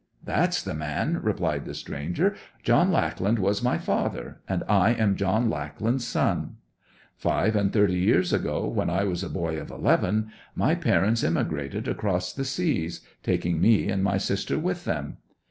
'That's the man,' replied the stranger. 'John Lackland was my father, and I am John Lackland's son. Five and thirty years ago, when I was a boy of eleven, my parents emigrated across the seas, taking me and my sister with them.